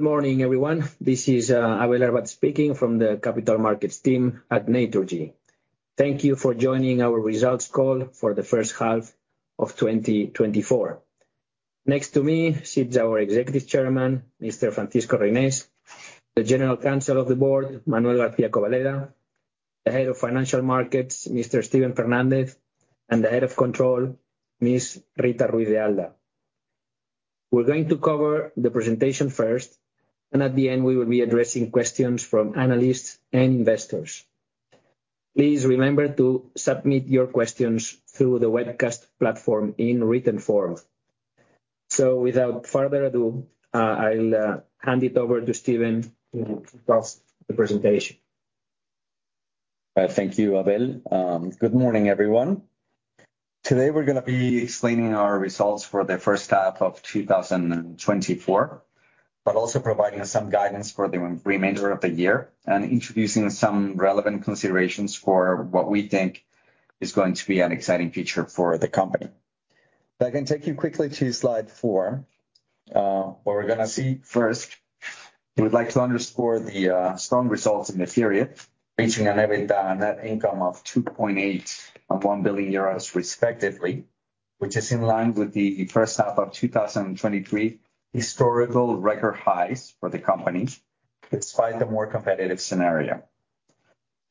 Good morning, everyone. This is Abel Arbat speaking from the Capital Markets team at Naturgy. Thank you for joining our results call for the first half of 2024. Next to me sits our Executive Chairman, Mr. Francisco Reynés, the General Counsel of the Board, Manuel García Cobaleda, the Head of Financial Markets, Mr. Steven Fernández, and the Head of Control, Ms. Rita Ruiz de Alda. We're going to cover the presentation first, and at the end, we will be addressing questions from analysts and investors. Please remember to submit your questions through the webcast platform in written form. So, without further ado, I'll hand it over to Steven to kick off the presentation. Thank you, Abel. Good morning, everyone. Today, we're going to be explaining our results for the first half of 2024, but also providing some guidance for the remainder of the year and introducing some relevant considerations for what we think is going to be an exciting feature for the company. I can take you quickly to slide four, where we're going to see first, we'd like to underscore the strong results in this period, reaching a net income of 2.8 billion and 1 billion euros, respectively, which is in line with the first half of 2023 historical record highs for the company, despite the more competitive scenario.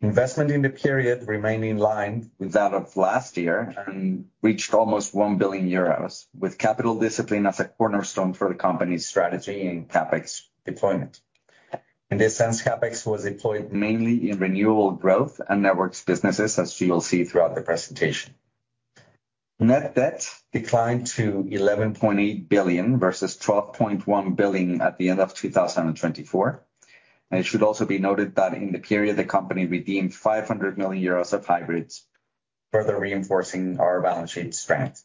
Investment in the period remained in line with that of last year and reached almost 1 billion euros, with capital discipline as a cornerstone for the company's strategy and CapEx deployment. In this sense, CapEx was deployed mainly in renewable growth and networks businesses, as you'll see throughout the presentation. Net debt declined to 11.8 billion versus 12.1 billion at the end of 2024. It should also be noted that in the period, the company redeemed 500 million euros of hybrids, further reinforcing our balance sheet strength.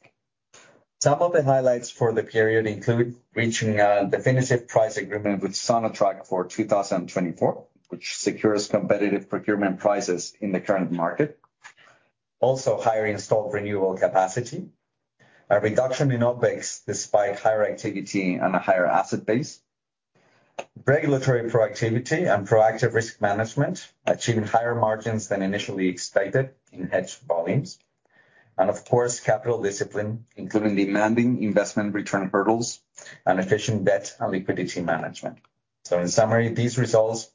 Some of the highlights for the period include reaching a definitive price agreement with Sonatrach for 2024, which secures competitive procurement prices in the current market. Also, higher installed renewable capacity, a reduction in OPEX despite higher activity and a higher asset base, regulatory proactivity and proactive risk management, achieving higher margins than initially expected in hedged volumes. Of course, capital discipline, including demanding investment return hurdles and efficient debt and liquidity management. In summary, these results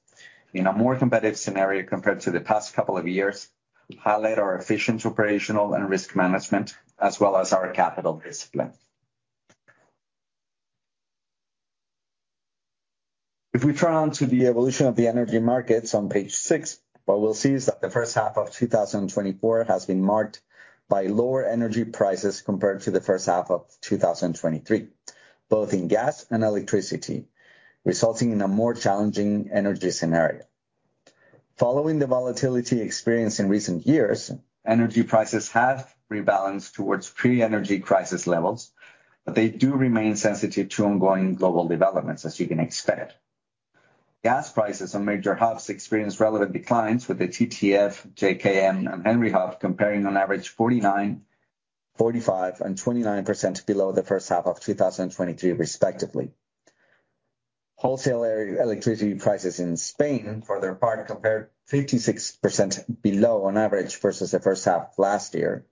in a more competitive scenario compared to the past couple of years highlight our efficient operational and risk management, as well as our capital discipline. If we turn to the evolution of the energy markets on page six, what we'll see is that the first half of 2024 has been marked by lower energy prices compared to the first half of 2023, both in gas and electricity, resulting in a more challenging energy scenario. Following the volatility experienced in recent years, energy prices have rebalanced towards pre-energy crisis levels, but they do remain sensitive to ongoing global developments, as you can expect. Gas prices on major hubs experienced relevant declines, with the TTF, JKM, and Henry Hub comparing on average 49%, 45%, and 29% below the first half of 2023, respectively. Wholesale electricity prices in Spain, for their part, compared 56% below on average versus the first half last year.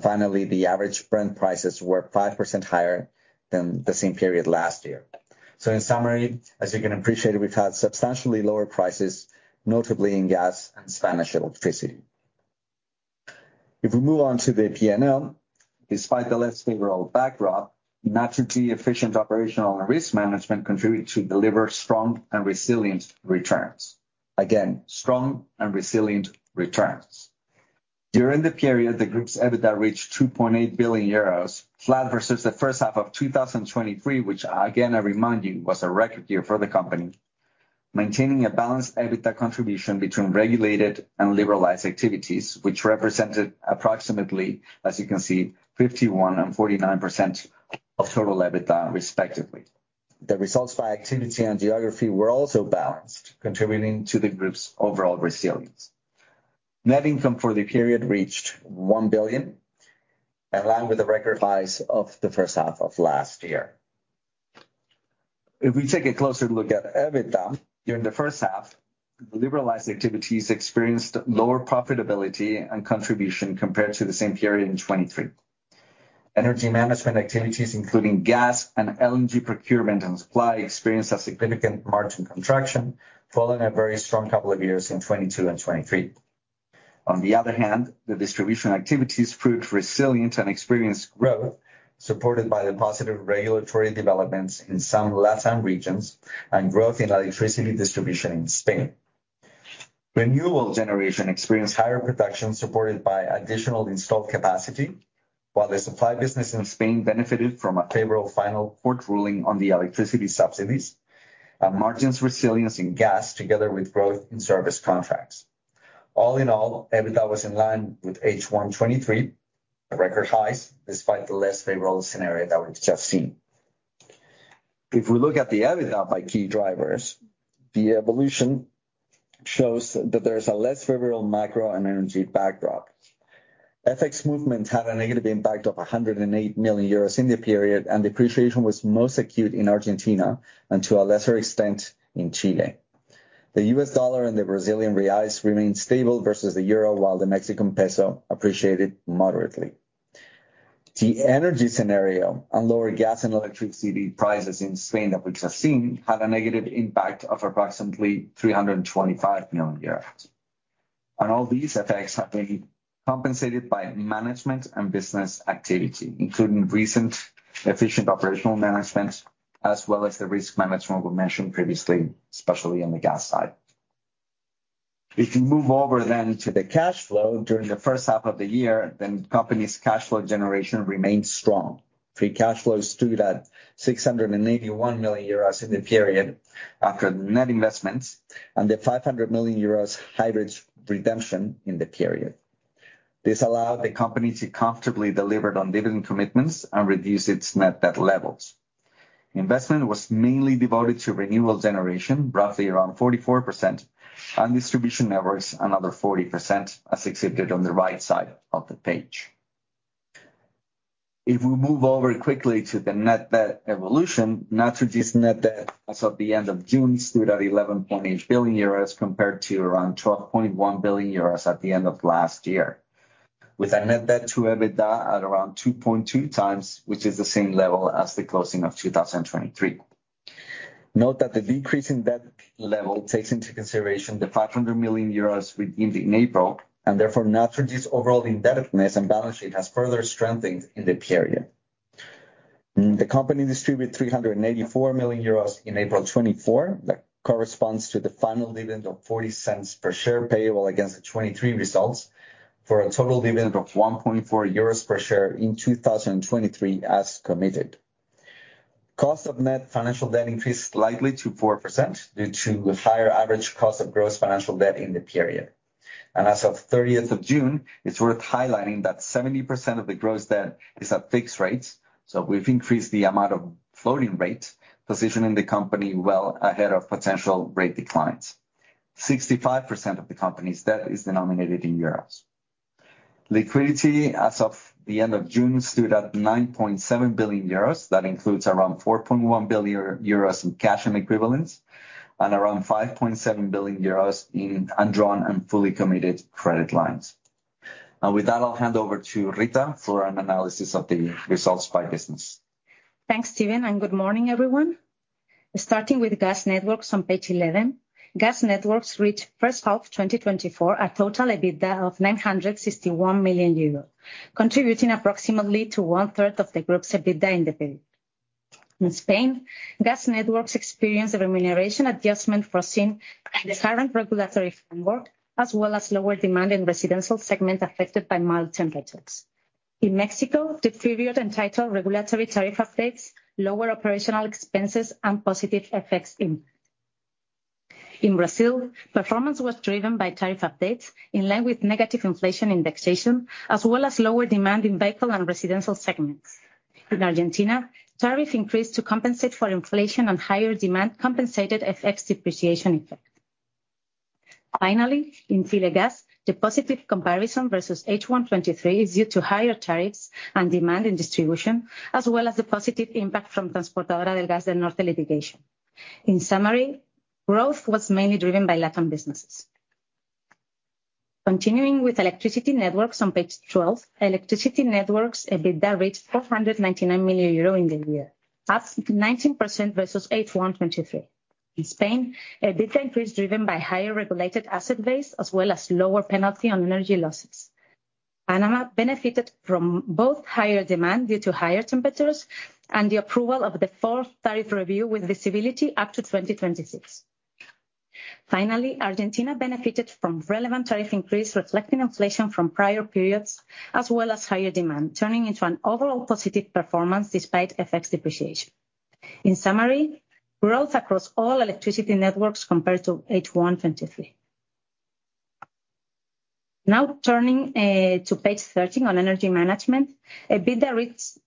Finally, the average Brent prices were 5% higher than the same period last year. In summary, as you can appreciate, we've had substantially lower prices, notably in gas and Spanish electricity. If we move on to the P&L, despite the less favorable backdrop, Naturgy efficient operational and risk management contributes to deliver strong and resilient returns. Again, strong and resilient returns. During the period, the group's EBITDA reached 2.8 billion euros, flat versus the first half of 2023, which, again, I remind you, was a record year for the company, maintaining a balanced EBITDA contribution between regulated and liberalized activities, which represented approximately, as you can see, 51% and 49% of total EBITDA, respectively. The results by activity and geography were also balanced, contributing to the group's overall resilience. Net income for the period reached 1 billion, along with the record highs of the first half of last year. If we take a closer look at EBITDA during the first half, liberalized activities experienced lower profitability and contribution compared to the same period in 2023. Energy management activities, including gas and LNG procurement and supply, experienced a significant margin contraction following a very strong couple of years in 2022 and 2023. On the other hand, the distribution activities proved resilient and experienced growth, supported by the positive regulatory developments in some LATAM regions and growth in electricity distribution in Spain. Renewable generation experienced higher production supported by additional installed capacity, while the supply business in Spain benefited from a favorable final court ruling on the electricity subsidies and margins resilience in gas, together with growth in service contracts. All in all, EBITDA was in line with H1 2023, record highs, despite the less favorable scenario that we've just seen. If we look at the EBITDA by key drivers, the evolution shows that there's a less favorable macro and energy backdrop. FX movement had a negative impact of 108 million euros in the period, and depreciation was most acute in Argentina and, to a lesser extent, in Chile. The US dollar and the Brazilian reais remained stable versus the euro, while the Mexican peso appreciated moderately. The energy scenario and lower gas and electricity prices in Spain that we just seen had a negative impact of approximately 325 million euros. All these effects have been compensated by management and business activity, including recent efficient operational management, as well as the risk management we mentioned previously, especially on the gas side. If you move over then to the cash flow during the first half of the year, then the company's cash flow generation remained strong. Free cash flow stood at 681 million euros in the period after net investments and the 500 million euros hybrids redemption in the period. This allowed the company to comfortably deliver on dividend commitments and reduce its net debt levels. Investment was mainly devoted to renewable generation, roughly around 44%, and distribution networks, another 40%, as exhibited on the right side of the page. If we move over quickly to the net debt evolution, Naturgy's net debt as of the end of June stood at 11.8 billion euros compared to around 12.1 billion euros at the end of last year, with a net debt to EBITDA at around 2.2 times, which is the same level as the closing of 2023. Note that the decrease in debt level takes into consideration the 500 million euros redeemed in April, and therefore Naturgy's overall indebtedness and balance sheet has further strengthened in the period. The company distributed 384 million euros in April 2024, that corresponds to the final dividend of 0.40 per share payable against the 2023 results for a total dividend of 1.40 euros per share in 2023 as committed. Cost of net financial debt increased slightly to 4% due to higher average cost of gross financial debt in the period. And as of 30th of June, it's worth highlighting that 70% of the gross debt is at fixed rates, so we've increased the amount of floating rate, positioning the company well ahead of potential rate declines. 65% of the company's debt is denominated in euros. Liquidity as of the end of June stood at 9.7 billion euros. That includes around 4.1 billion euros in cash and equivalents and around 5.7 billion euros in undrawn and fully committed credit lines. With that, I'll hand over to Rita for an analysis of the results by business. Thanks, Steven, and good morning, everyone. Starting with gas networks on page 11, gas networks reached first half 2024 a total EBITDA of 961 million euros, contributing approximately to one third of the group's EBITDA in the period. In Spain, gas networks experienced a remuneration adjustment foreseen in the current regulatory framework, as well as lower demand in residential segment affected by mild temperatures. In Mexico, the period entailed regulatory tariff updates, lower operational expenses, and positive effects impact. In Brazil, performance was driven by tariff updates in line with negative inflation indexation, as well as lower demand in vehicle and residential segments. In Argentina, tariff increase to compensate for inflation and higher demand compensated FX depreciation effect. Finally, in Chile gas, the positive comparison versus H1 2023 is due to higher tariffs and demand in distribution, as well as the positive impact from Transportadora de Gas del Norte litigation. In summary, growth was mainly driven by LATAM businesses. Continuing with electricity networks on page 12, electricity networks EBITDA reached 499 million euro in the year, up 19% versus H1 2023. In Spain, EBITDA increase driven by higher regulated asset base, as well as lower penalty on energy losses. Panama benefited from both higher demand due to higher temperatures and the approval of the fourth tariff review with visibility up to 2026. Finally, Argentina benefited from relevant tariff increase reflecting inflation from prior periods, as well as higher demand, turning into an overall positive performance despite FX depreciation. In summary, growth across all electricity networks compared to H1 2023. Now turning to page 13 on energy management, EBITDA reached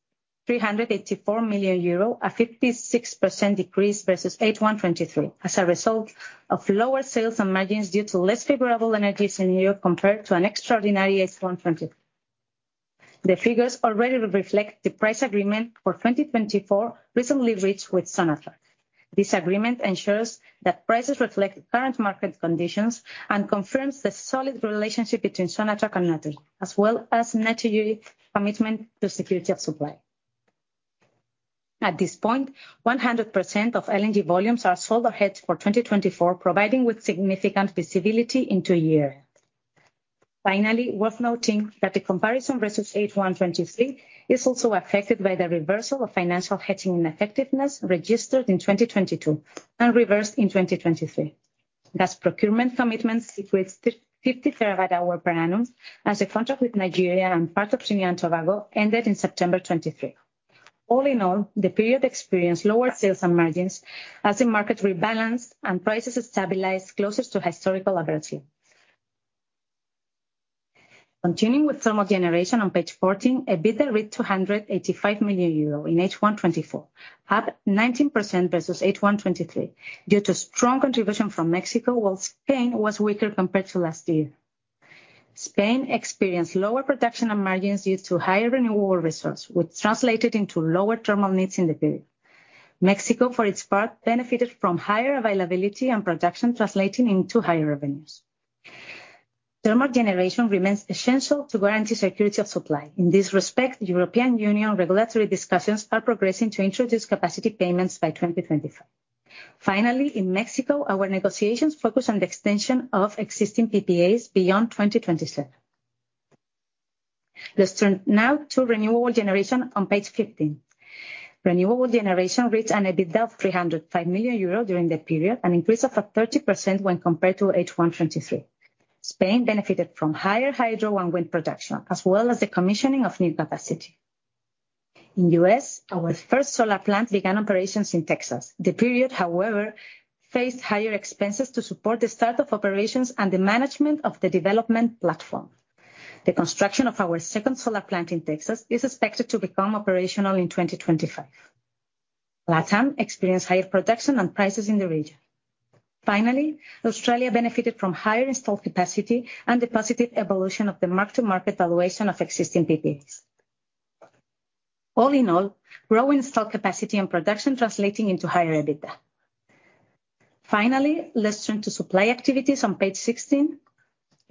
384 million euro, a 56% decrease versus H1 2023, as a result of lower sales and margins due to less favorable energy scenario compared to an extraordinary H1 2023. The figures already reflect the price agreement for 2024 recently reached with Sonatrach. This agreement ensures that prices reflect current market conditions and confirms the solid relationship between Sonatrach and Naturgy's, as well as Naturgy's commitment to security of supply. At this point, 100% of LNG volumes are sold or hedged for 2024, providing significant visibility into year-end. Finally, worth noting that the comparison versus 1H 2023 is also affected by the reversal of financial hedging ineffectiveness registered in 2022 and reversed in 2023. Gas procurement commitments equate to 50 terawatt-hours per annum, as the contract with Nigeria and part of Antofagasta ended in September 2023. All in all, the period experienced lower sales and margins as the market rebalanced and prices stabilized closer to historical levels. Continuing with thermal generation on page 14, EBITDA reached 285 million euro in H1 2024, up 19% versus H1 2023 due to strong contribution from Mexico, while Spain was weaker compared to last year. Spain experienced lower production and margins due to higher renewable resources, which translated into lower thermal needs in the period. Mexico, for its part, benefited from higher availability and production, translating into higher revenues. Thermal generation remains essential to guarantee security of supply. In this respect, European Union regulatory discussions are progressing to introduce capacity payments by 2025. Finally, in Mexico, our negotiations focus on the extension of existing PPAs beyond 2027. Let's turn now to renewable generation on page 15. Renewable generation reached an EBITDA of 305 million euros during the period, an increase of 30% when compared to H1 2023. Spain benefited from higher hydro and wind production, as well as the commissioning of new capacity. In the U.S., our first solar plant began operations in Texas. The period, however, faced higher expenses to support the start of operations and the management of the development platform. The construction of our second solar plant in Texas is expected to become operational in 2025. LATAM experienced higher production and prices in the region. Finally, Australia benefited from higher installed capacity and the positive evolution of the mark-to-market valuation of existing PPAs. All in all, growing installed capacity and production translating into higher EBITDA. Finally, let's turn to supply activities on page 16.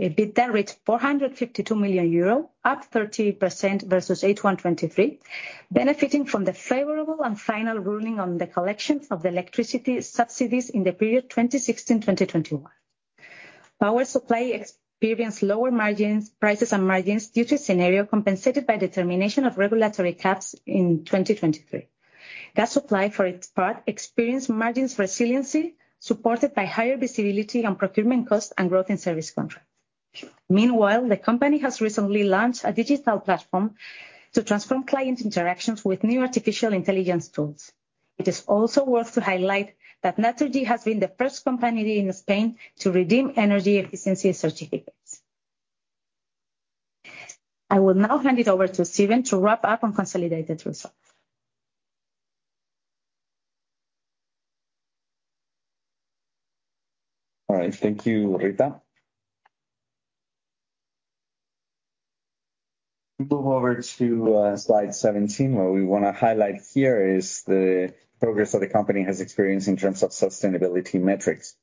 EBITDA reached EUR 452 million, up 30% versus H1 2023, benefiting from the favorable and final ruling on the collection of electricity subsidies in the period 2016-2021. Power supply experienced lower prices and margins due to scenario compensated by the termination of regulatory caps in 2023. Gas supply, for its part, experienced margins resiliency supported by higher visibility on procurement costs and growth in service contracts. Meanwhile, the company has recently launched a digital platform to transform client interactions with new artificial intelligence tools. It is also worth to highlight that Naturgy has been the first company in Spain to redeem energy efficiency certificates. I will now hand it over to Steven to wrap up and consolidate the results. All right, thank you, Rita. We'll move over to slide 17. What we want to highlight here is the progress that the company has experienced in terms of sustainability metrics.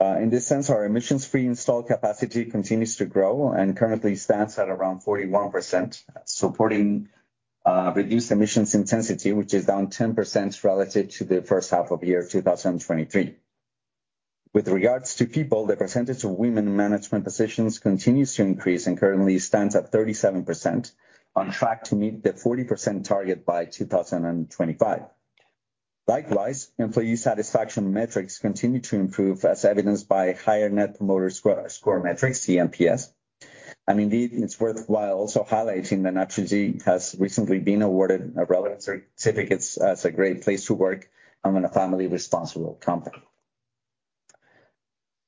In this sense, our emissions-free installed capacity continues to grow and currently stands at around 41%, supporting reduced emissions intensity, which is down 10% relative to the first half of the year 2023. With regards to people, the percentage of women in management positions continues to increase and currently stands at 37%, on track to meet the 40% target by 2025. Likewise, employee satisfaction metrics continue to improve, as evidenced by higher net promoter score metrics, cNPS. And indeed, it's worthwhile also highlighting that Naturgy has recently been awarded a relevant certificate as a Great Place to Work and a Family Responsible Company.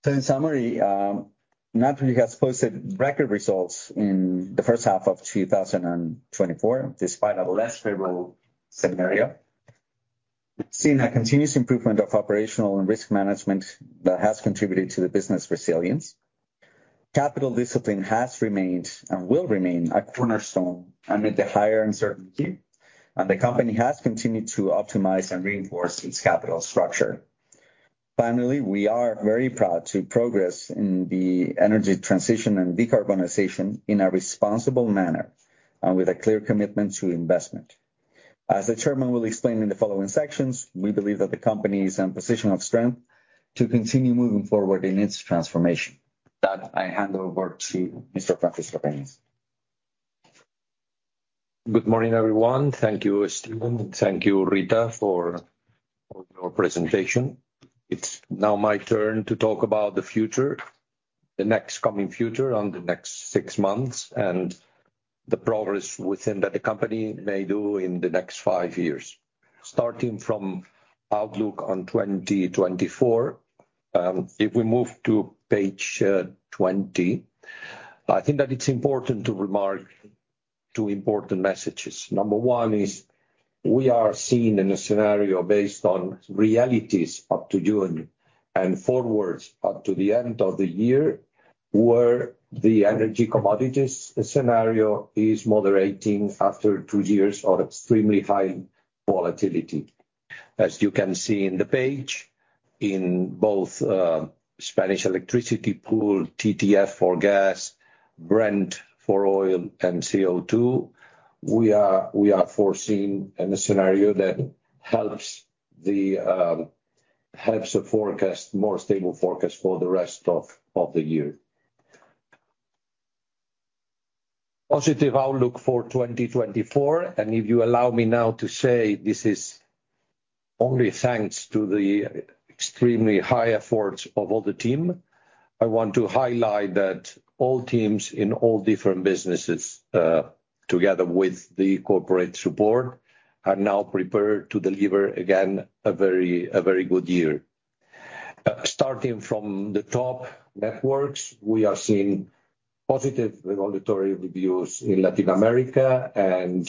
So in summary, Naturgy has posted record results in the first half of 2024, despite a less favorable scenario. We've seen a continuous improvement of operational and risk management that has contributed to the business resilience. Capital discipline has remained and will remain a cornerstone amid the higher uncertainty, and the company has continued to optimize and reinforce its capital structure. Finally, we are very proud to progress in the energy transition and decarbonization in a responsible manner and with a clear commitment to investment. As the Chairman will explain in the following sections, we believe that the company is in a position of strength to continue moving forward in its transformation. That I hand over to Mr. Francisco Reynés. Good morning, everyone. Thank you, Steven, and thank you, Rita, for your presentation. It's now my turn to talk about the future, the next coming future on the next six months, and the progress within that the company may do in the next five years, starting from outlook on 2024. If we move to page 20, I think that it's important to remark two important messages. Number one is we are seeing in a scenario based on realities up to June and forwards up to the end of the year where the energy commodities scenario is moderating after two years of extremely high volatility. As you can see in the page, in both Spanish electricity pool, TTF for gas, Brent for oil and CO2, we are foreseeing a scenario that helps the forecast, more stable forecast for the rest of the year. Positive outlook for 2024. And if you allow me now to say this is only thanks to the extremely high efforts of all the team, I want to highlight that all teams in all different businesses, together with the corporate support, are now prepared to deliver again a very good year. Starting from the top networks, we are seeing positive regulatory reviews in Latin America and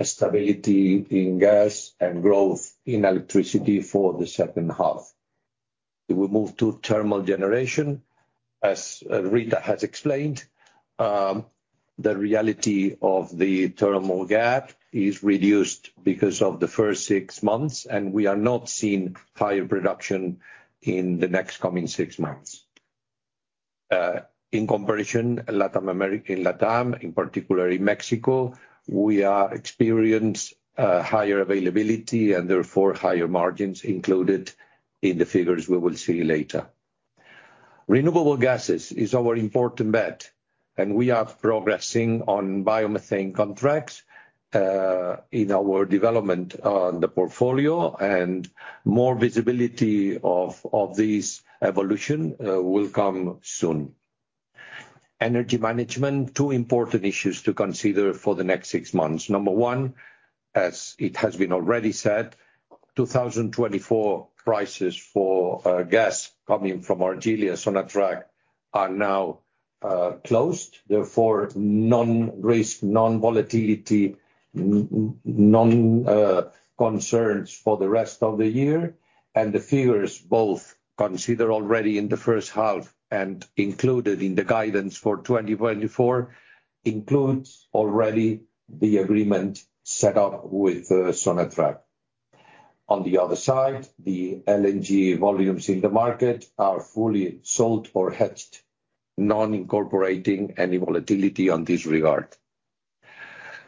stability in gas and growth in electricity for the second half. We move to thermal generation. As Rita has explained, the reality of the thermal gap is reduced because of the first six months, and we are not seeing higher production in the next coming six months. In comparison, in LATAM, in particular in Mexico, we experience higher availability and therefore higher margins included in the figures we will see later. Renewable gases is our important bet, and we are progressing on biomethane contracts in our development on the portfolio, and more visibility of this evolution will come soon. Energy management, two important issues to consider for the next six months. Number one, as it has been already said, 2024 prices for gas coming from Algeria, Sonatrach are now closed. Therefore, non-risk, non-volatility, non-concerns for the rest of the year. And the figures both considered already in the first half and included in the guidance for 2024 include already the agreement set up with Sonatrach. On the other side, the LNG volumes in the market are fully sold or hedged, not incorporating any volatility on this regard.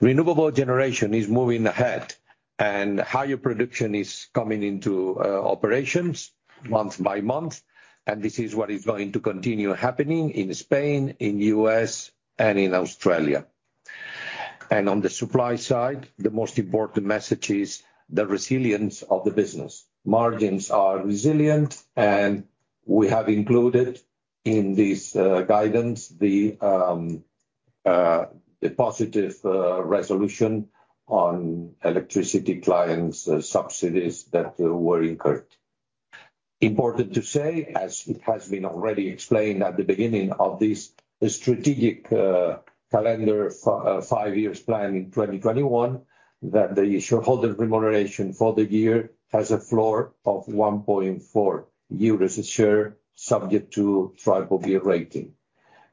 Renewable generation is moving ahead, and higher production is coming into operations month by month. And this is what is going to continue happening in Spain, in the U.S., and in Australia. On the supply side, the most important message is the resilience of the business. Margins are resilient, and we have included in this guidance the positive resolution on electricity clients' subsidies that were incurred. Important to say, as it has been already explained at the beginning of this strategic calendar five-year plan in 2021, that the shareholder remuneration for the year has a floor of 1.4 euros per share, subject to three-year rating.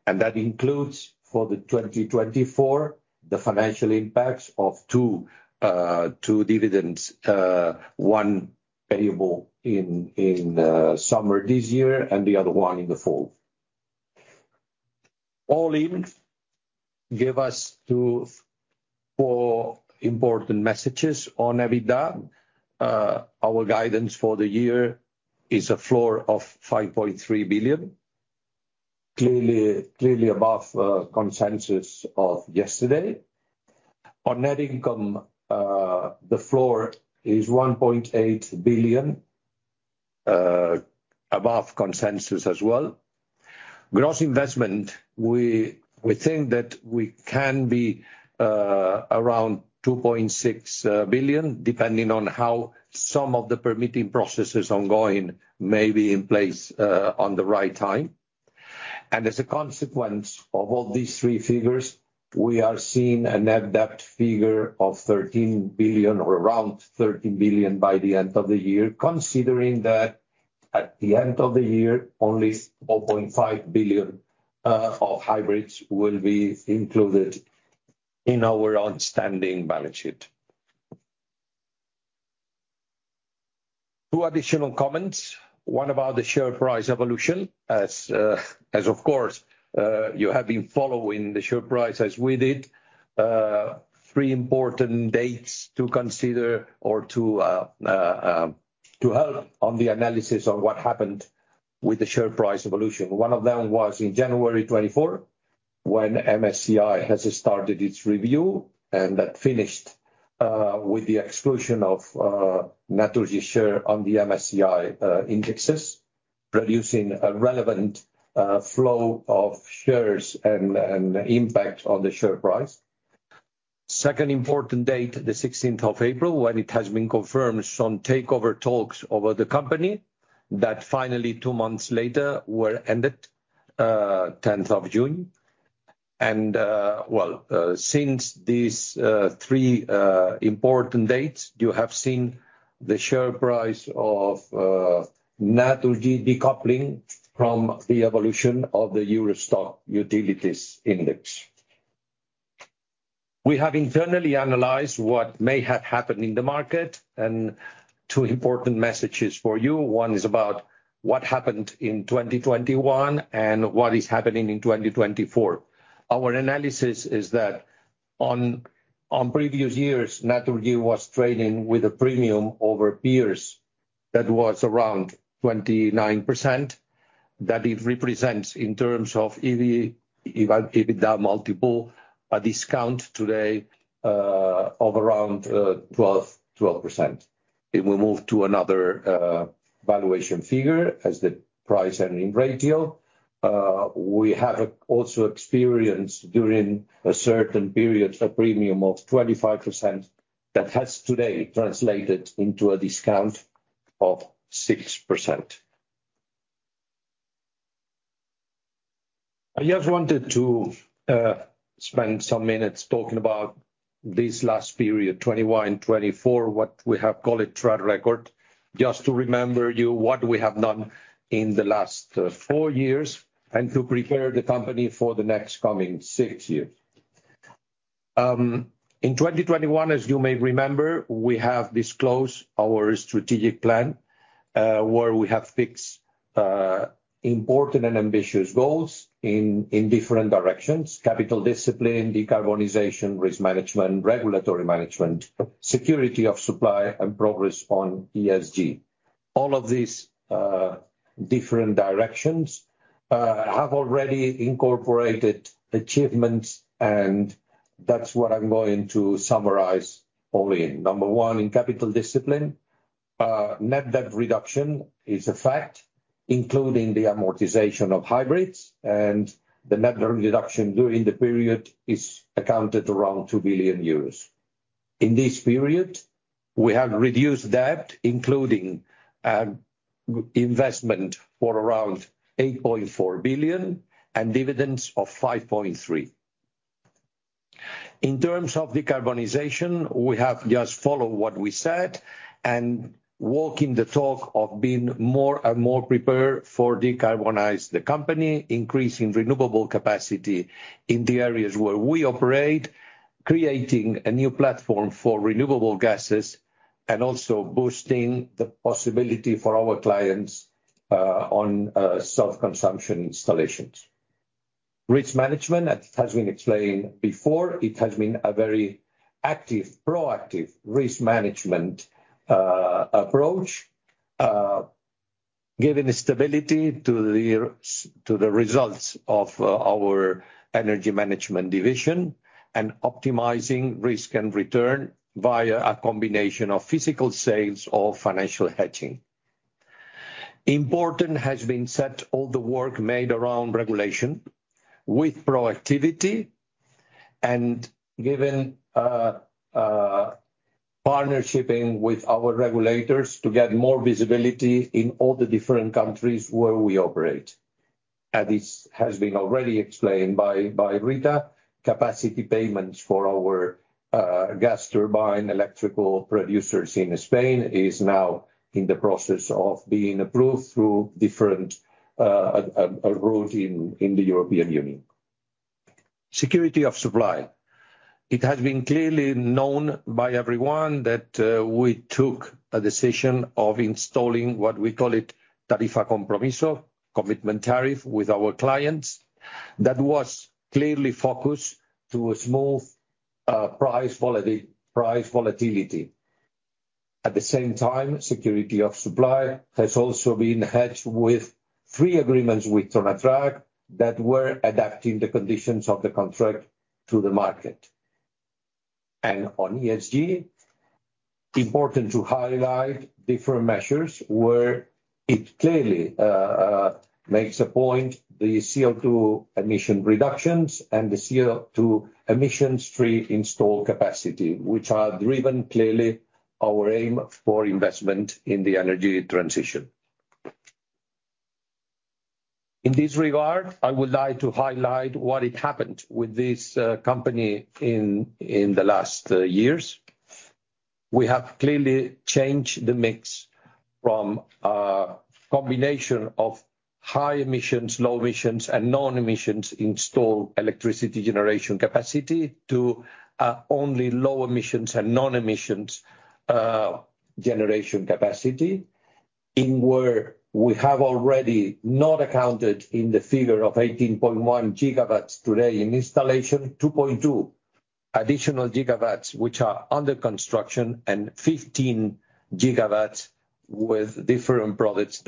And that includes for the 2024, the financial impacts of two dividends, one payable in summer this year and the other one in the fall. All in give us two important messages on EBITDA. Our guidance for the year is a floor of 5.3 billion, clearly above consensus of yesterday. On net income, the floor is 1.8 billion, above consensus as well. Gross investment, we think that we can be around 2.6 billion, depending on how some of the permitting processes ongoing may be in place on the right time. As a consequence of all these three figures, we are seeing a net debt figure of 13 billion or around 13 billion by the end of the year, considering that at the end of the year, only 4.5 billion of hybrids will be included in our outstanding balance sheet. Two additional comments, one about the share price evolution, as, of course, you have been following the share price as we did. Three important dates to consider or to help on the analysis on what happened with the share price evolution. One of them was in January 2024, when MSCI has started its review and that finished with the exclusion of Naturgy's share on the MSCI indexes, producing a relevant flow of shares and impact on the share price. Second important date, the 16th of April, when it has been confirmed some takeover talks over the company that finally, two months later, were ended, 10th of June. Well, since these three important dates, you have seen the share price of Naturgy decoupling from the evolution of the EURO STOXX Utilities Index. We have internally analyzed what may have happened in the market and two important messages for you. One is about what happened in 2021 and what is happening in 2024. Our analysis is that on previous years, Naturgy was trading with a premium over peers that was around 29%, that it represents in terms of EBITDA multiple a discount today of around 12%. If we move to another valuation figure as the price-earnings ratio, we have also experienced during a certain period a premium of 25% that has today translated into a discount of 6%. I just wanted to spend some minutes talking about this last period, 2021 and 2024, what we have called a track record, just to remember you what we have done in the last four years and to prepare the company for the next coming six years. In 2021, as you may remember, we have disclosed our strategic plan where we have fixed important and ambitious goals in different directions: capital discipline, decarbonization, risk management, regulatory management, security of supply, and progress on ESG. All of these different directions have already incorporated achievements, and that's what I'm going to summarize all in. Number one, in capital discipline, net debt reduction is a fact, including the amortization of hybrids, and the net reduction during the period is accounted around 2 billion euros. In this period, we have reduced debt, including investment for around 8.4 billion and dividends of 5.3 billion. In terms of decarbonization, we have just followed what we said and walked in the talk of being more and more prepared for decarbonizing the company, increasing renewable capacity in the areas where we operate, creating a new platform for renewable gases, and also boosting the possibility for our clients on self-consumption installations. Risk management, as has been explained before, it has been a very active, proactive risk management approach, giving stability to the results of our energy management division and optimizing risk and return via a combination of physical sales or financial hedging. Important has been all the work made around regulation with proactivity and given partnership with our regulators to get more visibility in all the different countries where we operate. And this has been already explained by Rita. Capacity payments for our gas turbine electrical producers in Spain is now in the process of being approved through different routes in the European Union. Security of supply. It has been clearly known by everyone that we took a decision of installing what we call it, Tarifa Compromiso, commitment tariff with our clients. That was clearly focused to a smooth price volatility. At the same time, security of supply has also been hedged with three agreements with Sonatrach that were adapting the conditions of the contract to the market. On ESG, important to highlight different measures where it clearly makes a point, the CO2 emission reductions and the CO2 emissions-free installed capacity, which are driven clearly our aim for investment in the energy transition. In this regard, I would like to highlight what happened with this company in the last years. We have clearly changed the mix from a combination of high emissions, low emissions, and non-emissions installed electricity generation capacity to only low emissions and non-emissions generation capacity, where we have already not accounted in the figure of 18.1 GW today in installation, 2.2 GW additional which are under construction, and 15 GW with different projects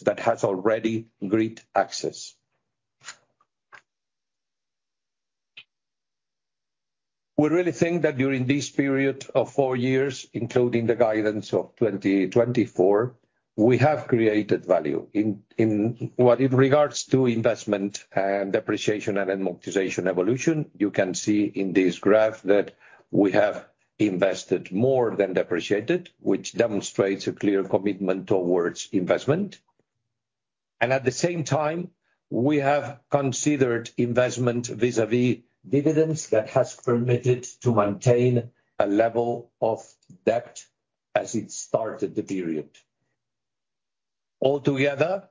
that have already grid access. We really think that during this period of four years, including the guidance of 2024, we have created value. In what regards to investment and depreciation and amortization evolution, you can see in this graph that we have invested more than depreciated, which demonstrates a clear commitment towards investment. At the same time, we have considered investment vis-à-vis dividends that have permitted to maintain a level of debt as it started the period. Altogether,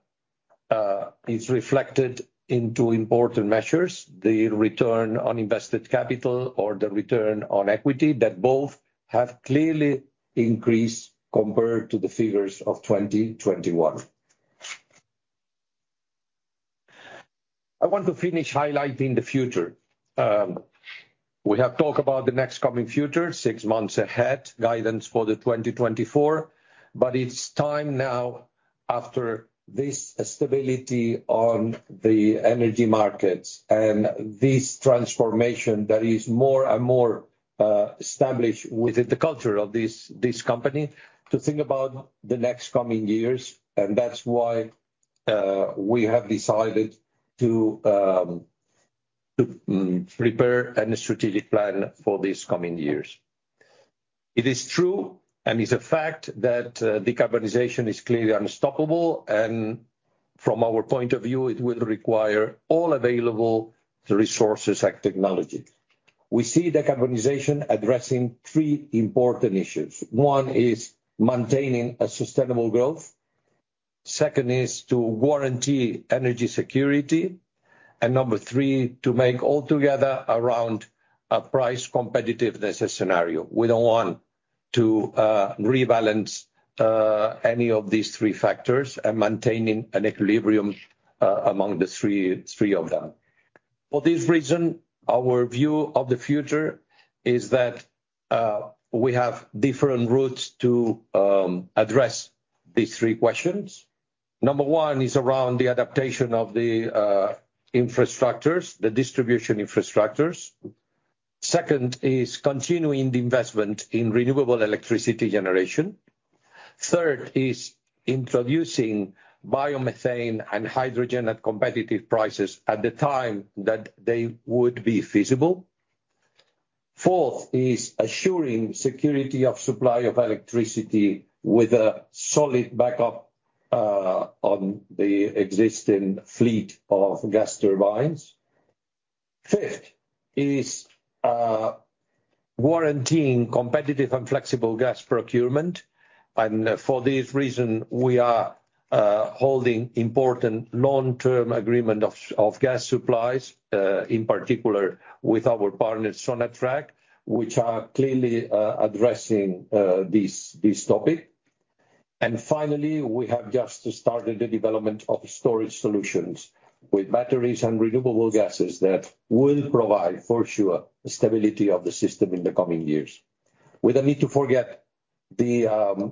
it's reflected into important measures, the return on invested capital or the return on equity that both have clearly increased compared to the figures of 2021. I want to finish highlighting the future. We have talked about the next coming future, six months ahead, guidance for 2024, but it's time now, after this stability on the energy markets and this transformation that is more and more established within the culture of this company, to think about the next coming years. That's why we have decided to prepare a strategic plan for these coming years. It is true and is a fact that decarbonization is clearly unstoppable, and from our point of view, it will require all available resources and technology. We see decarbonization addressing three important issues. One is maintaining a sustainable growth. Second is to guarantee energy security. Number three, to make altogether around a price competitiveness scenario. We don't want to rebalance any of these three factors and maintaining an equilibrium among the three of them. For this reason, our view of the future is that we have different routes to address these three questions. Number one is around the adaptation of the infrastructures, the distribution infrastructures. Second is continuing the investment in renewable electricity generation. Third is introducing biomethane and hydrogen at competitive prices at the time that they would be feasible. Fourth is assuring security of supply of electricity with a solid backup on the existing fleet of gas turbines. Fifth is guaranteeing competitive and flexible gas procurement. And for this reason, we are holding important long-term agreements of gas supplies, in particular with our partners, Sonatrach, which are clearly addressing this topic. And finally, we have just started the development of storage solutions with batteries and renewable gases that will provide, for sure, stability of the system in the coming years. We don't need to forget the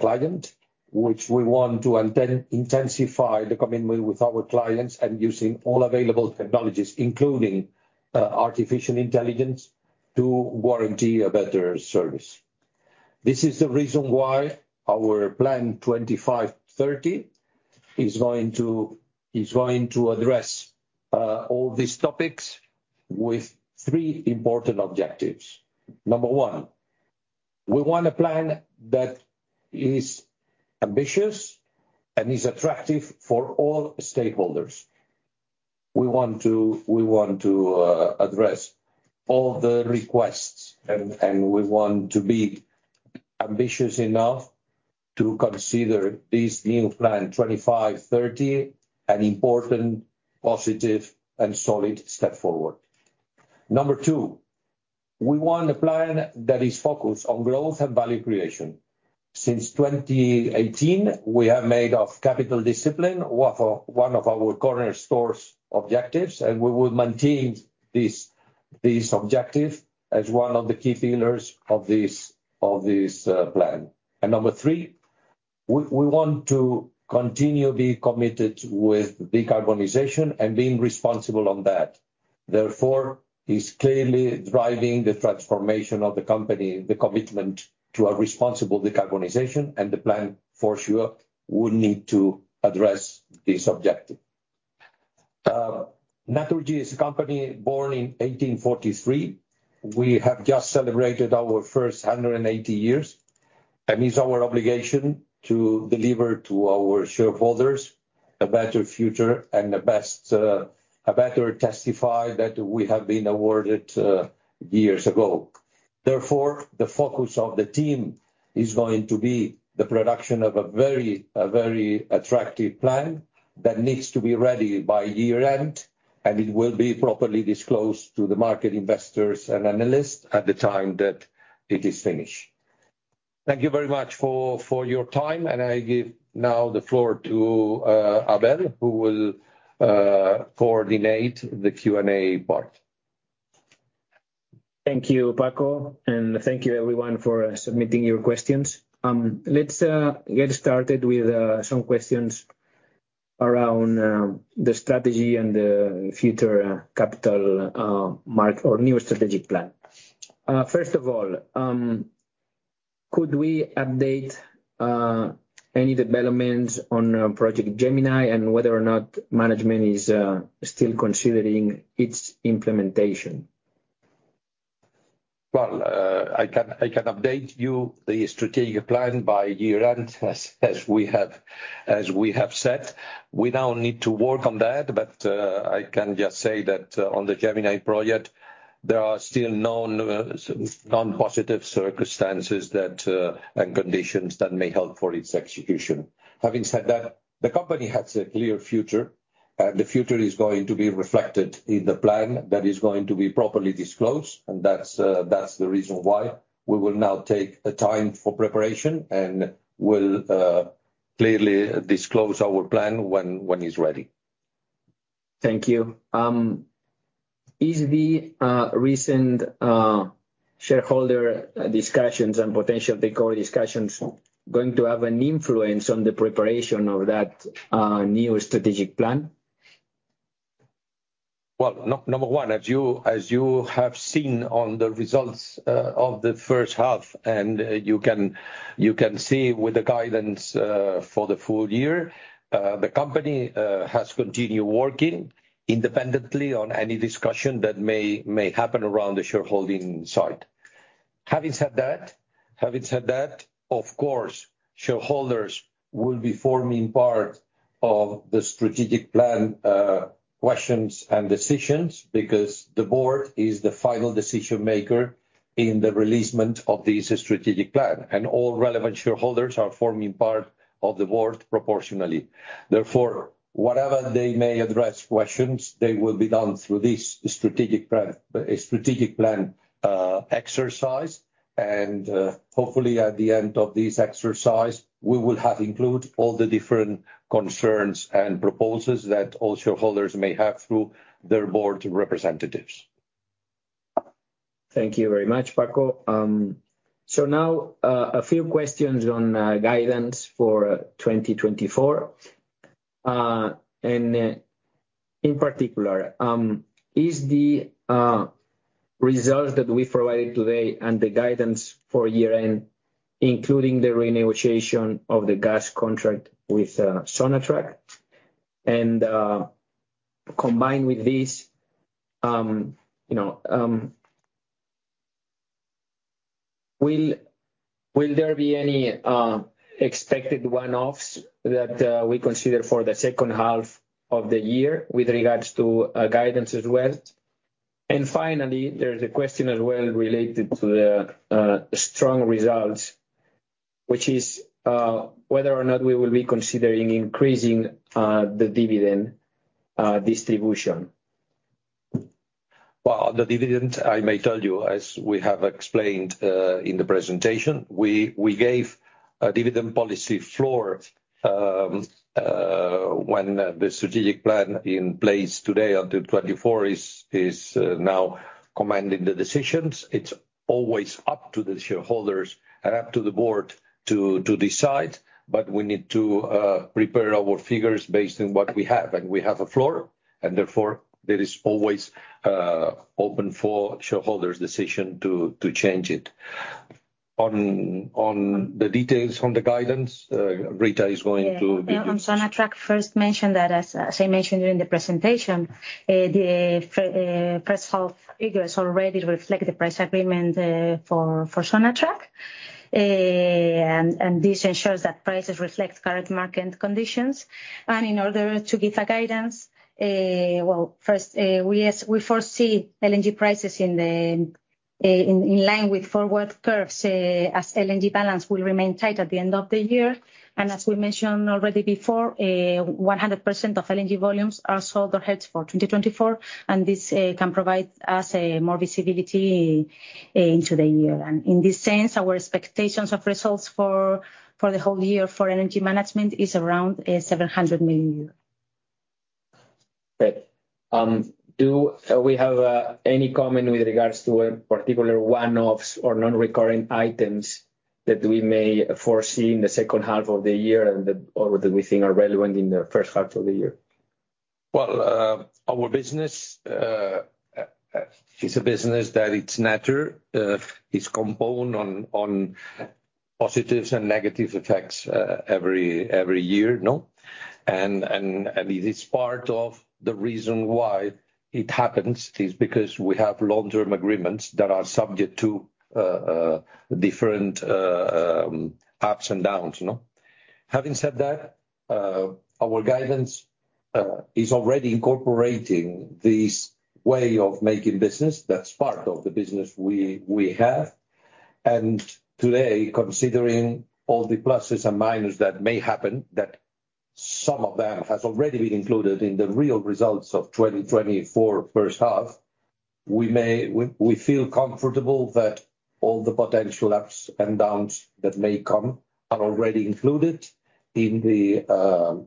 client, which we want to intensify the commitment with our clients and using all available technologies, including artificial intelligence, to guarantee a better service. This is the reason why our plan 2530 is going to address all these topics with three important objectives. Number one, we want a plan that is ambitious and is attractive for all stakeholders. We want to address all the requests, and we want to be ambitious enough to consider this new plan 2530 an important, positive, and solid step forward. Number two, we want a plan that is focused on growth and value creation. Since 2018, we have made capital discipline one of our cornerstone's objectives, and we will maintain this objective as one of the key pillars of this plan. Number three, we want to continue being committed with decarbonization and being responsible on that. Therefore, it's clearly driving the transformation of the company, the commitment to a responsible decarbonization, and the plan, for sure, will need to address this objective. Naturgy is a company born in 1843. We have just celebrated our first 180 years, and it's our obligation to deliver to our shareholders a better future and a better testimony that we have been awarded years ago. Therefore, the focus of the team is going to be the production of a very attractive plan that needs to be ready by year-end, and it will be properly disclosed to the market investors and analysts at the time that it is finished. Thank you very much for your time, and I give now the floor to Abel, who will coordinate the Q&A part. Thank you, Paco, and thank you, everyone, for submitting your questions. Let's get started with some questions around the strategy and the future capital or new strategic plan. First of all, could we update any developments on Project Gemini and whether or not management is still considering its implementation? Well, I can update you the strategic plan by year-end, as we have said. We now need to work on that, but I can just say that on the Gemini project, there are still non-positive circumstances and conditions that may help for its execution. Having said that, the company has a clear future, and the future is going to be reflected in the plan that is going to be properly disclosed, and that's the reason why we will now take time for preparation and will clearly disclose our plan when it's ready. Thank you. Is the recent shareholder discussions and potential TAQA discussions going to have an influence on the preparation of that new strategic plan? Well, number one, as you have seen on the results of the first half, and you can see with the guidance for the full year, the company has continued working independently on any discussion that may happen around the shareholding side. Having said that, of course, shareholders will be forming part of the strategic plan questions and decisions because the board is the final decision-maker in the releasement of this strategic plan, and all relevant shareholders are forming part of the board proportionally. Therefore, whatever they may address questions, they will be done through this strategic plan exercise, and hopefully, at the end of this exercise, we will have included all the different concerns and proposals that all shareholders may have through their board representatives. Thank you very much, Paco. So now, a few questions on guidance for 2024. And in particular, is the results that we provided today and the guidance for year-end, including the renegotiation of the gas contract with Sonatrach, and combined with this, will there be any expected one-offs that we consider for the second half of the year with regards to guidance as well? And finally, there's a question as well related to the strong results, which is whether or not we will be considering increasing the dividend distribution. Well, the dividends, I may tell you, as we have explained in the presentation, we gave a dividend policy floor when the strategic plan in place today on 2024 is now commanding the decisions. It's always up to the shareholders and up to the board to decide, but we need to prepare our figures based on what we have, and we have a floor, and therefore, there is always open for shareholders' decision to change it. On the details on the guidance, Rita is going to. Yeah, on Sonatrach, first mentioned that, as I mentioned during the presentation, the first half figures already reflect the price agreement for Sonatrach, and this ensures that prices reflect current market conditions. And in order to give a guidance, well, first, we foresee LNG prices in line with forward curves as LNG balance will remain tight at the end of the year. And as we mentioned already before, 100% of LNG volumes are sold or hedged for 2024, and this can provide us more visibility into the year. And in this sense, our expectations of results for the whole year for LNG management is around 700 million euros. Great. Do we have any comment with regards to a particular one-offs or non-recurring items that we may foresee in the second half of the year or that we think are relevant in the first half of the year? Well, our business is a business that it's natural. It's compound on positives and negative effects every year, no? And it is part of the reason why it happens is because we have long-term agreements that are subject to different ups and downs, no? Having said that, our guidance is already incorporating this way of making business that's part of the business we have. Today, considering all the pluses and minus that may happen, that some of them has already been included in the real results of 2024 first half, we feel comfortable that all the potential ups and downs that may come are already included in the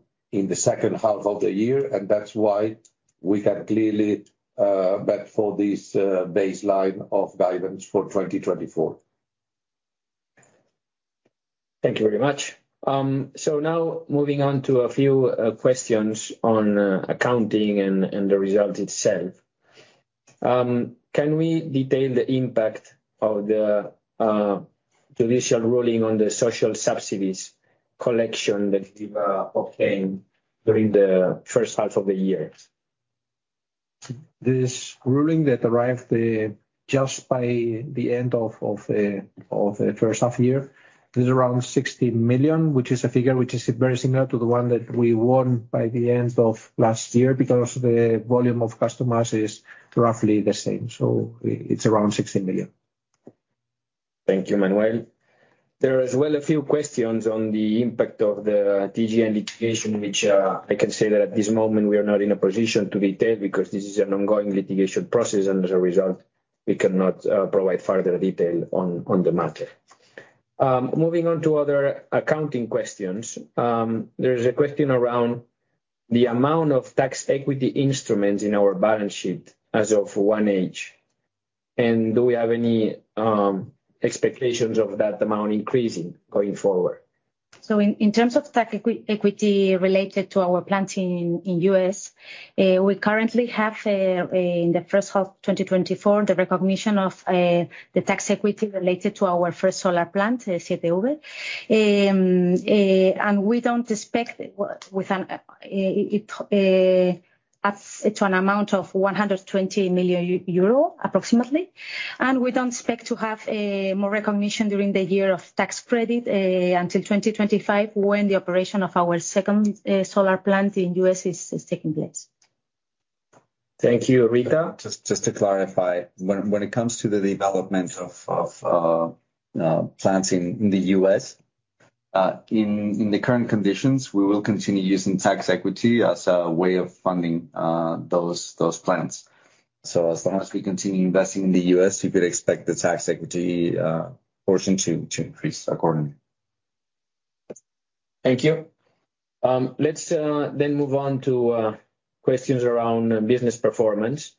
second half of the year, and that's why we can clearly bet for this baseline of guidance for 2024. Thank you very much. Now, moving on to a few questions on accounting and the result itself. Can we detail the impact of the judicial ruling on the social subsidies collection that you obtained during the first half of the year? This ruling that arrived just by the end of the first half year is around 60 million, which is a figure which is very similar to the one that we won by the end of last year because the volume of customers is roughly the same. So it's around 60 million. Thank you, Manuel. There are as well a few questions on the impact of the TGN litigation, which I can say that at this moment, we are not in a position to detail because this is an ongoing litigation process, and as a result, we cannot provide further detail on the matter. Moving on to other accounting questions, there is a question around the amount of tax equity instruments in our balance sheet as of 1H, and do we have any expectations of that amount increasing going forward? So in terms of tax equity related to our plant in the U.S., we currently have in the first half of 2024 the recognition of the tax equity related to our first solar plant, 7V, and we don't expect with it to an amount of 120 million euro approximately, and we don't expect to have more recognition during the year of tax credit until 2025 when the operation of our second solar plant in the U.S. is taking place. Thank you, Rita. Just to clarify, when it comes to the development of plants in the U.S., in the current conditions, we will continue using tax equity as a way of funding those plants. So as long as we continue investing in the U.S., you could expect the tax equity portion to increase accordingly. Thank you. Let's then move on to questions around business performance.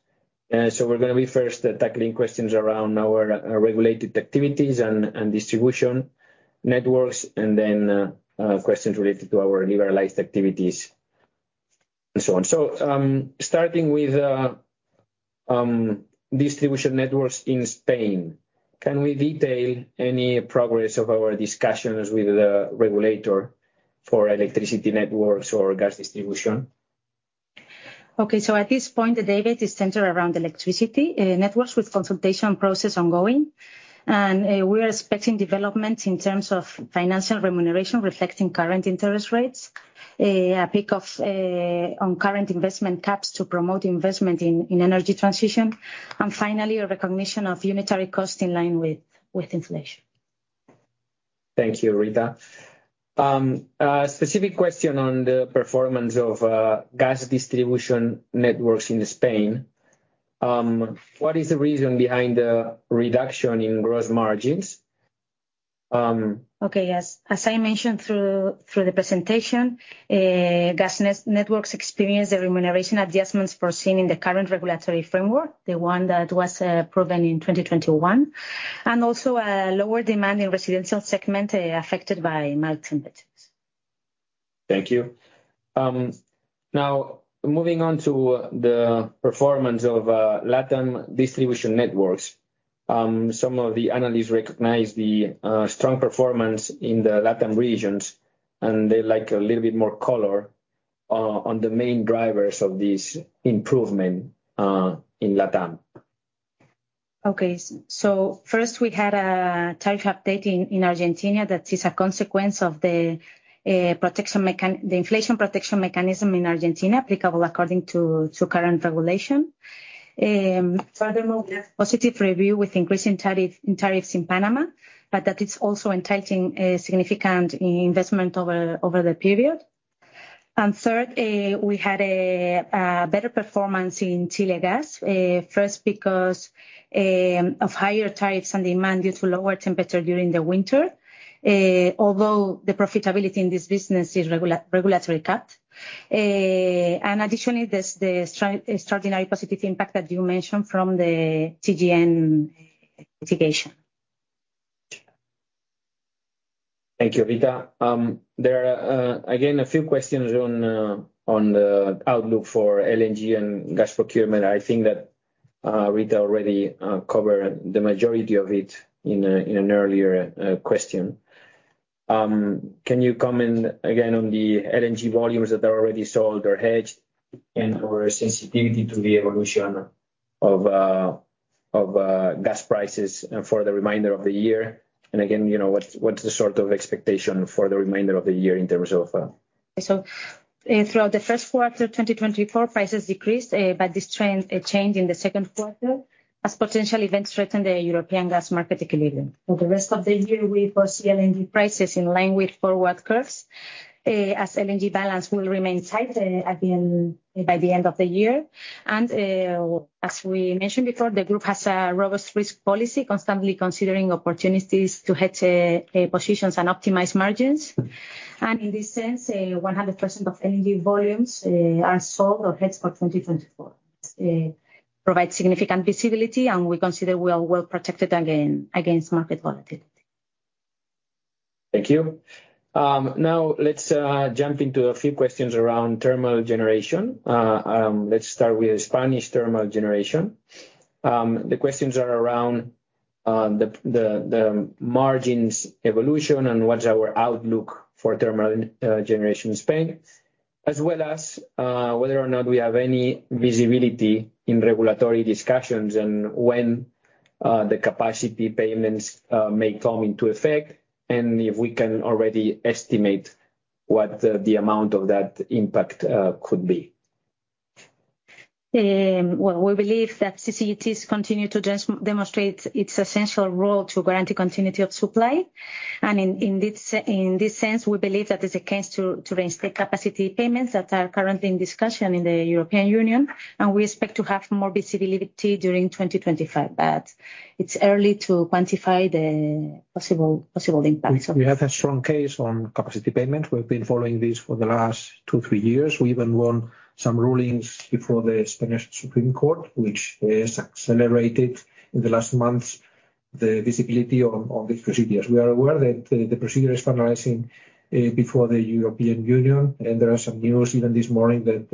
So we're going to be first tackling questions around our regulated activities and distribution networks, and then questions related to our liberalized activities and so on. So starting with distribution networks in Spain, can we detail any progress of our discussions with the regulator for electricity networks or gas distribution? Okay. So at this point, the debate is centered around electricity networks with consultation process ongoing, and we are expecting developments in terms of financial remuneration reflecting current interest rates, a peak on current investment caps to promote investment in energy transition, and finally, a recognition of unitary cost in line with inflation. Thank you, Rita. Specific question on the performance of gas distribution networks in Spain. What is the reason behind the reduction in gross margins? Okay. As I mentioned through the presentation, gas networks experience the remuneration adjustments foreseen in the current regulatory framework, the one that was proven in 2021, and also a lower demand in residential segment affected by mild temperatures. Thank you. Now, moving on to the performance of LATAM distribution networks, some of the analysts recognize the strong performance in the LATAM regions, and they like a little bit more color on the main drivers of this improvement in LATAM. Okay. So first, we had a tariff update in Argentina that is a consequence of the inflation protection mechanism in Argentina applicable according to current regulation. Furthermore, we have positive review with increasing tariffs in Panama, but that is also entitling significant investment over the period. Third, we had a better performance in Chile gas, first because of higher tariffs and demand due to lower temperature during the winter, although the profitability in this business is regulatory cut. Additionally, the extraordinary positive impact that you mentioned from the TGN litigation. Thank you, Rita. There are, again, a few questions on the outlook for LNG and gas procurement. I think that Rita already covered the majority of it in an earlier question. Can you comment again on the LNG volumes that are already sold or hedged and/or sensitivity to the evolution of gas prices for the remainder of the year? And again, what's the sort of expectation for the remainder of the year in terms of. So throughout the first quarter of 2024, prices decreased, but this trend changed in the second quarter as potential events threatened the European gas market equilibrium. For the rest of the year, we foresee LNG prices in line with forward curves as LNG balance will remain tight by the end of the year. As we mentioned before, the group has a robust risk policy, constantly considering opportunities to hedge positions and optimize margins. In this sense, 100% of LNG volumes are sold or hedged for 2024. This provides significant visibility, and we consider we are well protected against market volatility. Thank you. Now, let's jump into a few questions around thermal generation. Let's start with Spanish thermal generation. The questions are around the margins' evolution and what's our outlook for thermal generation in Spain, as well as whether or not we have any visibility in regulatory discussions and when the capacity payments may come into effect and if we can already estimate what the amount of that impact could be. Well, we believe that CCGTs continue to demonstrate its essential role to guarantee continuity of supply. In this sense, we believe that it's a case to reinstate capacity payments that are currently in discussion in the European Union, and we expect to have more visibility during 2025, but it's early to quantify the possible impact. We have a strong case on capacity payments. We've been following this for the last 2, 3 years. We even won some rulings before the Spanish Supreme Court, which has accelerated in the last months the visibility on this procedure. We are aware that the procedure is finalizing before the European Union, and there are some news even this morning that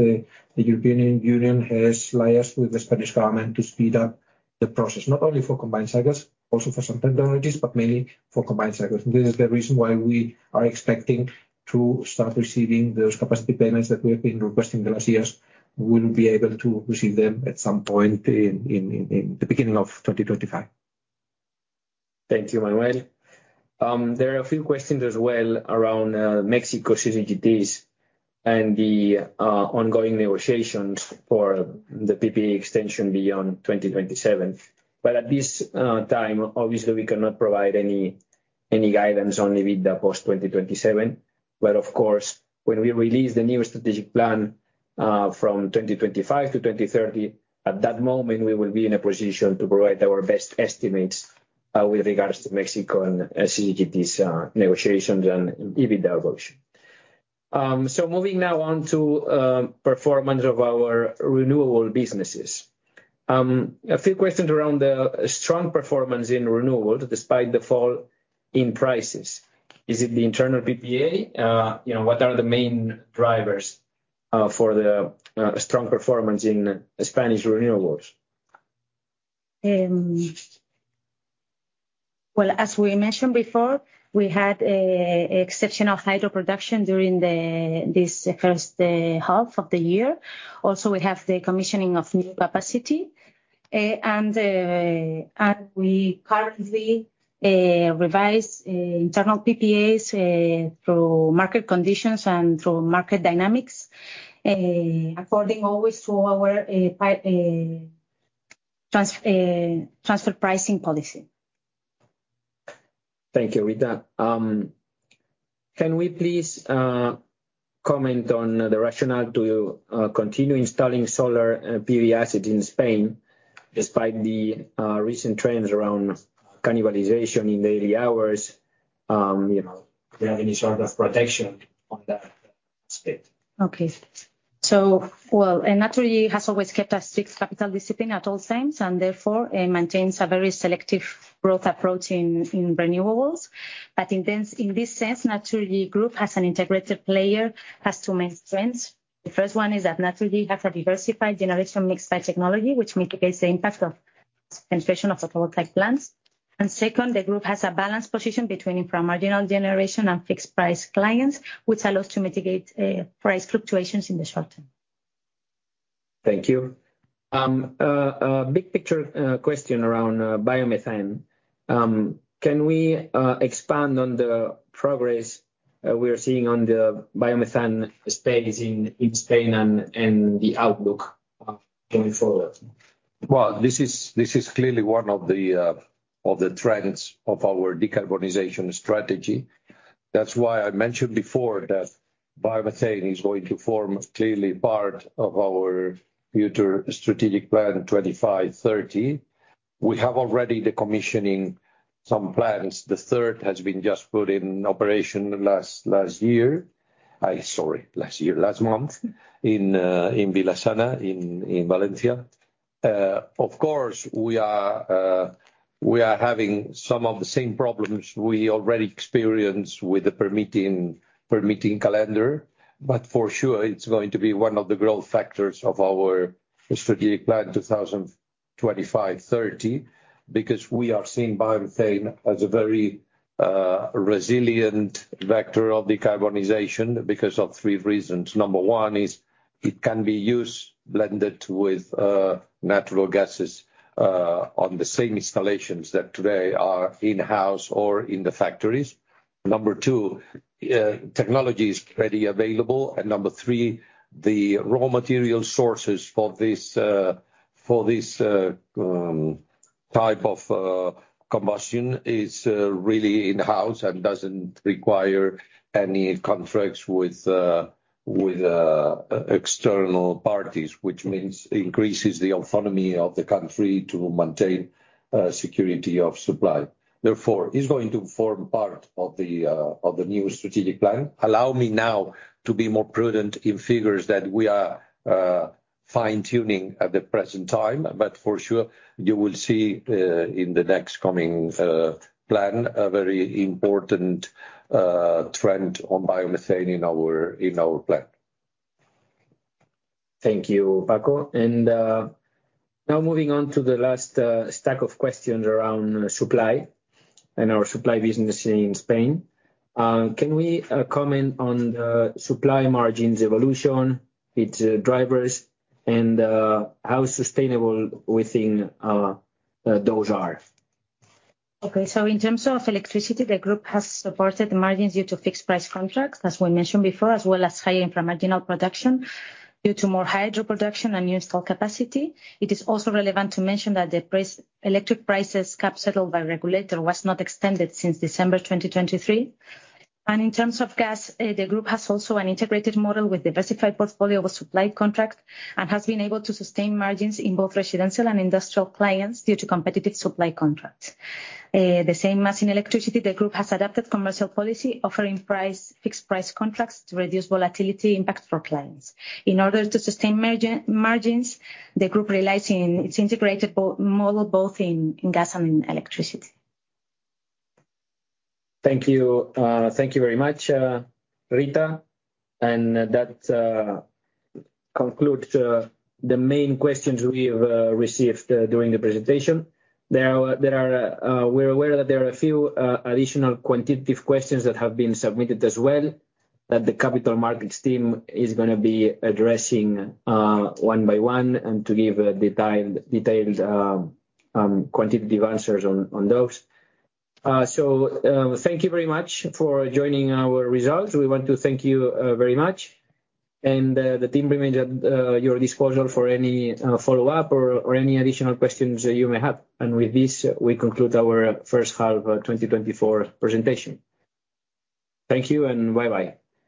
the European Union has liaised with the Spanish government to speed up the process, not only for combined cycles, also for some technologies, but mainly for combined cycles. This is the reason why we are expecting to start receiving those capacity payments that we have been requesting the last years. We will be able to receive them at some point in the beginning of 2025. Thank you, Manuel. There are a few questions as well around Mexico CCGTs and the ongoing negotiations for the PPA extension beyond 2027. But at this time, obviously, we cannot provide any guidance on EBITDA post-2027. But of course, when we release the new strategic plan from 2025 to 2030, at that moment, we will be in a position to provide our best estimates with regards to Mexico and CCGTs negotiations and EBITDA evolution. So moving now on to performance of our renewable businesses. A few questions around the strong performance in renewables despite the fall in prices. Is it the internal PPA? What are the main drivers for the strong performance in Spanish renewables? Well, as we mentioned before, we had exceptional hydro production during this first half of the year. Also, we have the commissioning of new capacity, and we currently revise internal PPAs through market conditions and through market dynamics according always to our transfer pricing policy. Thank you, Rita. Can we please comment on the rationale to continue installing solar PV assets in Spain despite the recent trends around cannibalization in daily hours? Do you have any sort of protection on that aspect? Okay. So well, Naturgy has always kept a strict capital discipline at all times and therefore maintains a very selective growth approach in renewables. But in this sense, Naturgy Group has an integrated player as to main strengths. The first one is that Naturgy has a diversified generation mix by technology, which mitigates the impact of concentration of photovoltaic plants. Second, the group has a balanced position between inframarginal generation and fixed-price clients, which allows to mitigate price fluctuations in the short term. Thank you. A big picture question around biomethane. Can we expand on the progress we are seeing on the biomethane space in Spain and the outlook going forward? Well, this is clearly one of the trends of our decarbonization strategy. That's why I mentioned before that biomethane is going to form clearly part of our future strategic plan 2530. We have already the commissioning some plants. The third has been just put in operation last year. Sorry, last year, last month in Vila-sana in Valencia. Of course, we are having some of the same problems we already experienced with the permitting calendar, but for sure, it's going to be one of the growth factors of our strategic plan 2025-2030 because we are seeing biomethane as a very resilient vector of decarbonization because of three reasons. Number one is it can be used blended with natural gases on the same installations that today are in-house or in the factories. Number two, technology is readily available. Number three, the raw material sources for this type of combustion is really in-house and doesn't require any contracts with external parties, which means increases the autonomy of the country to maintain security of supply. Therefore, it's going to form part of the new strategic plan. Allow me now to be more prudent in figures that we are fine-tuning at the present time, but for sure, you will see in the next coming plan a very important trend on biomethane in our plan. Thank you, Paco. Now moving on to the last stack of questions around supply and our supply business in Spain. Can we comment on the supply margins' evolution, its drivers, and how sustainable we think those are? Okay. So in terms of electricity, the group has supported the margins due to fixed-price contracts, as we mentioned before, as well as higher inframarginal production due to more hydro production and new installed capacity. It is also relevant to mention that the electricity prices cap set by the regulator was not extended since December 2023. In terms of gas, the group has also an integrated model with diversified portfolio of supply contracts and has been able to sustain margins in both residential and industrial clients due to competitive supply contracts. The same as in electricity, the group has adapted commercial policy offering fixed-price contracts to reduce volatility impact for clients. In order to sustain margins, the group relies on its integrated model both in gas and in electricity. Thank you. Thank you very much, Rita. That concludes the main questions we've received during the presentation. We're aware that there are a few additional quantitative questions that have been submitted as well that the capital markets team is going to be addressing one by one and to give detailed quantitative answers on those. Thank you very much for joining our results. We want to thank you very much. The team remains at your disposal for any follow-up or any additional questions you may have. With this, we conclude our first half of 2024 presentation. Thank you and bye-bye.